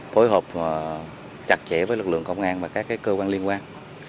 phối hợp chặt chẽ với lực lượng công an và các cơ quan liên quan